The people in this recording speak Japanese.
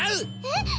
えっ？